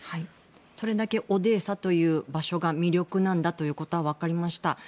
それだけオデーサという場所が魅力的なんだということが分かりました。